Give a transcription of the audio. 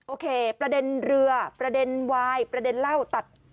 โอเคประเด็นเรือประเด็นวายประเด็นเหล้าตัด